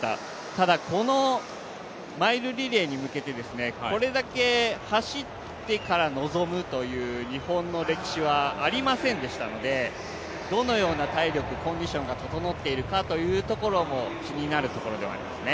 ただこのマイルリレーに向けてこれだけ走ってから臨むという日本の歴史はありませんでしたので、どのような体力、コンディションが整っているかというところも気になるところではありますね。